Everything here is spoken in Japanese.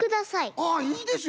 ああいいですよ